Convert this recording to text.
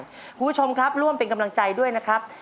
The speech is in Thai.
คุณผู้ชมครับร่วมเป็นกำลังใจด้วยนะครับ